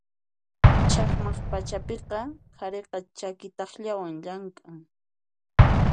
Chaqmay pachapiqa qhariqa chaki takllawan llamk'an.